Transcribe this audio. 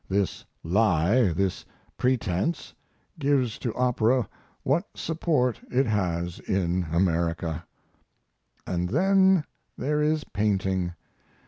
This lie, this pretense, gives to opera what support it has in America. And then there is painting.